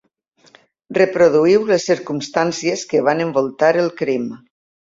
Reproduïu les circumstàncies que van envoltar el crim.